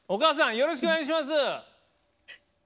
よろしくお願いします。